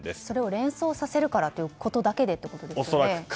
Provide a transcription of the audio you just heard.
それを連想させるからということだけでということですよね。